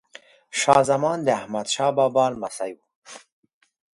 شاه زمان د احمد شاه بابا لمسی وه.